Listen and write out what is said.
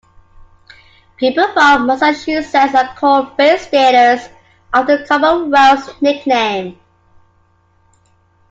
People from Massachusetts are called "Bay Staters" after the Commonwealth's nickname.